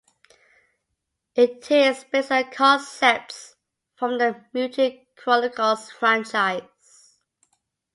It is based on concepts from the "Mutant Chronicles" franchise.